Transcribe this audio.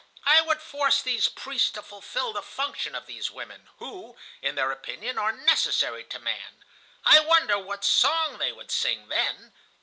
I would force these priests to fulfil the function of these women, who, in their opinion, are necessary to man. I wonder what song they would sing then.